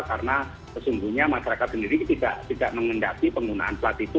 karena sesungguhnya masyarakat sendiri tidak mengendaki penggunaan plat itu